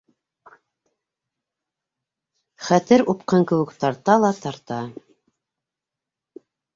Хәтер упҡын кеүек, тарта ла тарта...